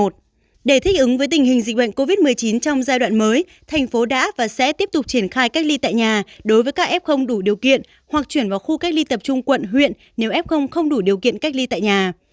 để thích ứng với tình hình dịch bệnh covid một mươi chín trong giai đoạn mới thành phố đã và sẽ tiếp tục triển khai cách ly tại nhà đối với các f không đủ điều kiện hoặc chuyển vào khu cách ly tập trung quận huyện nếu f không đủ điều kiện cách ly tại nhà